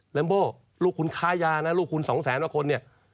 แมมโบลูกคุณค้ายานะลูกคุณสองแสนกว่าคนเนี่ย